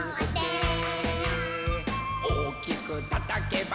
「おっきくたたけば」